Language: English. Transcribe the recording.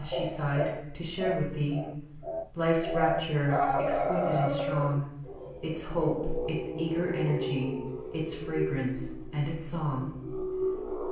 " she sighed, "to share with thee Life's rapture exquisite and strong : Its hope, its eager energy. Its fragrance and its song